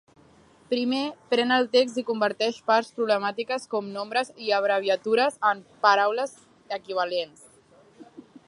Primer, pren el text i converteix parts problemàtiques com nombres i abreviatures en paraules equivalents.